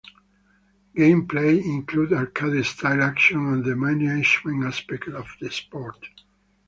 Gameplay included arcade-style action and the management aspect of the sport.